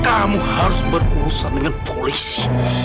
kamu harus berurusan dengan polisi